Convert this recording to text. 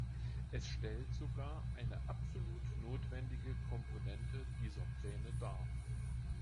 Es stellt sogar eine absolut notwendige Komponente dieser Pläne dar.